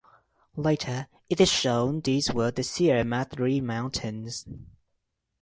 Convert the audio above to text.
Later it is shown these were the Sierre Madre mountains.